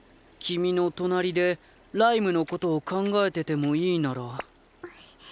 君の隣でライムのことを考えててもいいなら。